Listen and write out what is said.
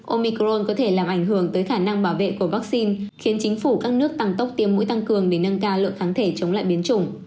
omicron có thể làm ảnh hưởng tới khả năng bảo vệ của vaccine khiến chính phủ các nước tăng tốc tiêm mũi tăng cường để nâng cao lượng kháng thể chống lại biến chủng